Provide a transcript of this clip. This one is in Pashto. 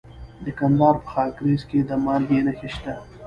د کندهار په خاکریز کې د مالګې نښې شته.